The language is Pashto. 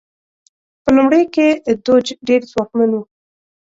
په لومړیو کې دوج ډېر ځواکمن و.